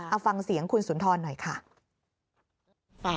เอาฟังเสียงคุณสุนทรหน่อยค่ะ